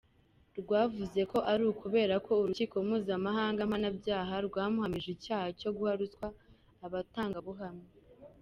Rwavuze ko ari ukubera ko urukiko mpuzamahanga mpanabyaha rwamuhamije icyaha cyo guha ruswa abatangabuhamya.